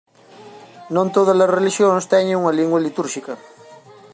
Non todas as relixións teñen unha lingua litúrxica.